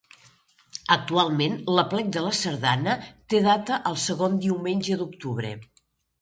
Actualment, l'Aplec de la Sardana té data el segon diumenge d’octubre.